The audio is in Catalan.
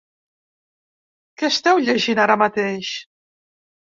Què esteu llegint ara mateix?